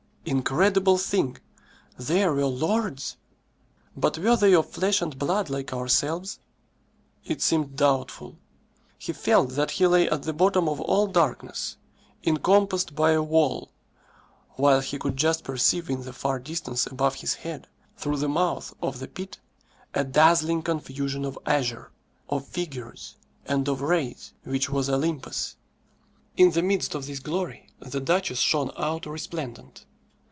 Incredible thing! There were lords! But were they of flesh and blood, like ourselves? It seemed doubtful. He felt that he lay at the bottom of all darkness, encompassed by a wall, while he could just perceive in the far distance above his head, through the mouth of the pit, a dazzling confusion of azure, of figures, and of rays, which was Olympus. In the midst of this glory the duchess shone out resplendent.